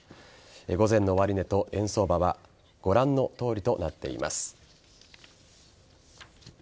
午前の終値と円相場はご覧のとおりとなっています。